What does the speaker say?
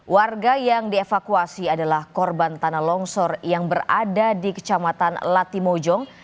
warga yang dievakuasi adalah korban tanah longsor yang berada di kecamatan latimojong